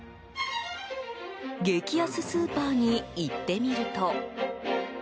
激安スーパーに行ってみると。